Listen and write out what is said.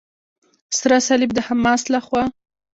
سره صلیب د حماس لخوا.